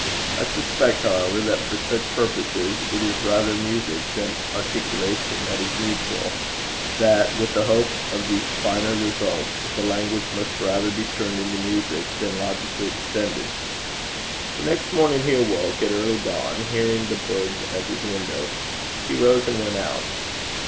I suspect, however, that for such purposes it is rather music than articulation that is needful that, with a hope of these finer results, the language must rather be turned into music than logically extended. The next morning he awoke at early dawn, hearing the birds at his window. He rose and went out.